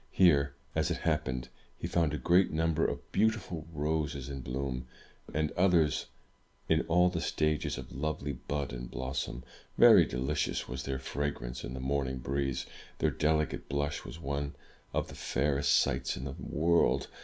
Here, as it happened, he found a great number of beautiful roses in bloom, and others 2;r9 M Y BOOK HOUSE in all the stages of lovely bud and blossom. Very delicious was their fragrance in the morn ing breeze. Their delicate blush was one of the fairest sights in the world.